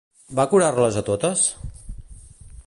Va curar-les a totes?